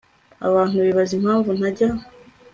abantu bibaza impamvu ntajya